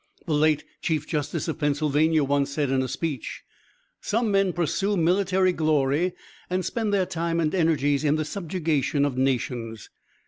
The late Chief Justice of Pennsylvania once said in a speech: "Some men pursue military glory, and spend their time and energies in the subjugation of nations.